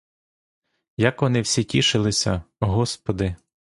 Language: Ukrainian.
Як вони всі тішилися, господи!